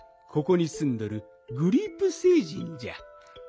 ここにすんどるグリープ星人じゃ。